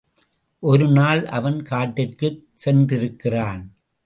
ஒரு நாள் அவன் காட்டிற்குச் சென்றிருக்கிறான்.